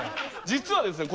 実はですね